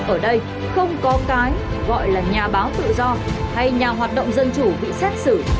ở đây không có cái gọi là nhà báo tự do hay nhà hoạt động dân chủ bị xét xử